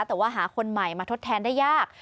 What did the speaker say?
แต่ว่าหาคนใหม่มาทดแทนได้ยาก